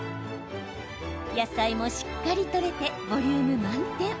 野菜もしっかりとれてボリューム満点。